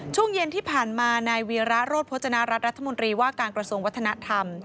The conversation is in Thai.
ช่วงเย็นที่ผ่านมานายวีระโรธพจนารัฐรัฐมนตรีว่าการกระทรวงวัฒนธรรม